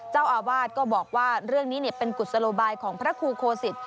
เจ้าอาวาสก็บอกว่าเรื่องนี้เป็นกุศโลบายของพระครูโคสิต